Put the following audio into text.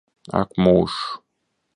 Ak mūžs!